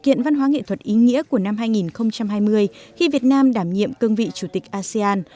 triển lãm tranh đồ họa các nước asean là sự kiện văn hóa nghệ thuật ý nghĩa của năm hai nghìn hai mươi khi việt nam đảm nhiệm cương vị chủ tịch asean